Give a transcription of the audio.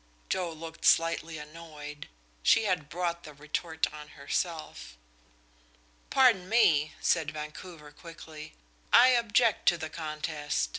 Joe looked slightly annoyed. She had brought the retort on herself. "Pardon me," said Vancouver, quickly, "I object to the contest.